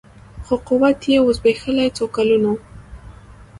خو قوت یې وو زبېښلی څو کلونو